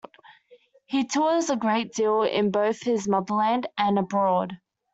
He tours a great deal in both his motherland and abroad.